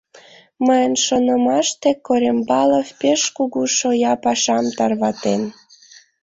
Мыйын шонымаште, Корембалов пеш кугу шоя пашам тарватен.